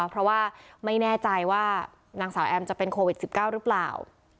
เพราะว่าไม่แน่ใจว่านางสาวแอมจะเป็นโควิด๑๙หรือเปล่า